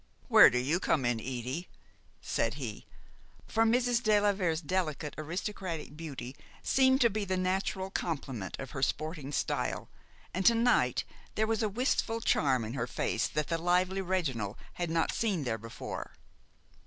"Where do you come in, Edie?" said he; for Mrs. de la Vere's delicate aristocratic beauty seemed to be the natural complement of her sporting style, and to night there was a wistful charm in her face that the lively Reginald had not seen there before.